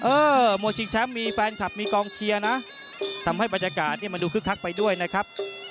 มวยชิงแชมป์มีแฟนคลับมีกองเชียร์นะทำให้บรรยากาศเนี่ยมันดูคึกคักไปด้วยนะครับ